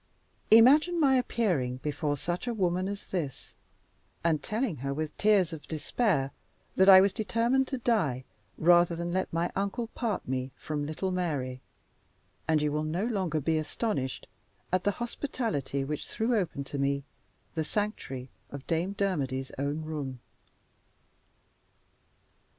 Imagine my appearing before such a woman as this, and telling her with tears of despair that I was determined to die, rather than let my uncle part me from little Mary, and you will no longer be astonished at the hospitality which threw open to me the sanctuary of Dame Dermody's own room.